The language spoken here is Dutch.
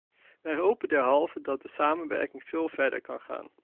Wij hopen derhalve dat de samenwerking veel verder kan gaan.